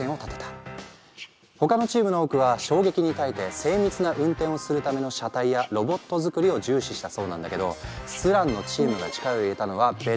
他のチームの多くは衝撃に耐えて精密な運転をするための車体やロボット作りを重視したそうなんだけどスランのチームが力を入れたのは別のことだったの。